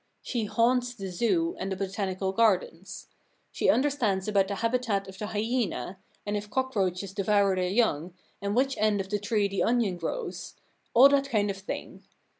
She haunts the Zoo and the Botanical Gardens. She understands about the habitat of the hyena, and if cock roaches devour their young, and which end of the tree the onion grows — all that kind of thing.